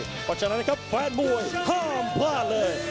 เพราะฉะนั้นนะครับแฟนมวยห้ามพลาดเลย